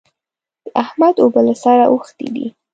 د احمد اوبه له سره اوښتې دي.